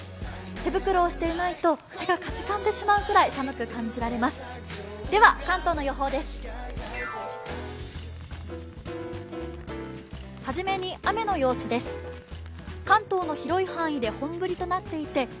手袋をしていないと手がかじかんでしまうくらい寒く感じています。